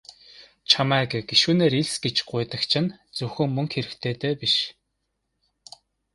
Чамайг гишүүнээр элс гэж гуйдаг чинь зөвхөн мөнгө хэрэгтэйдээ биш.